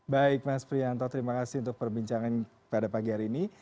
baik mas prianto terima kasih untuk perbincangan pada pagi hari ini